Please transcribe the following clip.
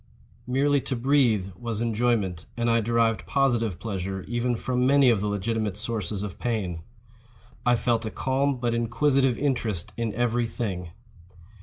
Merely to breathe was enjoyment; and I derived positive pleasure even from many of the legitimate sources of pain. I felt a calm but inquisitive interest in every thing.